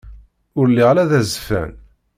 Ur lliɣ ara d azeffan.